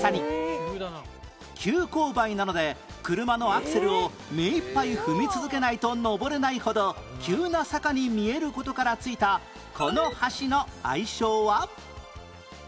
急勾配なので車のアクセルをめいっぱい踏み続けないと上れないほど急な坂に見える事から付いたこの橋の愛称は？